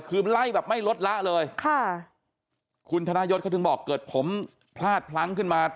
คือไล่แบบไม่ลดละเลยค่ะคุณธนายศเขาถึงบอกเกิดผมพลาดพลั้งขึ้นมา